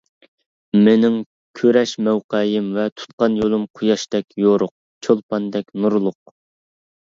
مېنىڭ كۈرەش مەۋقەيىم ۋە تۇتقان يولۇم قۇياشتەك يورۇق، چولپاندەك نۇرلۇق.